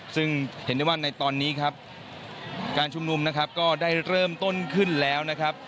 ซึ่งเห็นได้ว่าในตอนนี้ครับการชุมนุมนะครับก็ได้เริ่มต้นขึ้นแล้วนะครับ